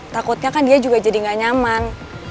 takutnya kan dia juga jadi gak nyaman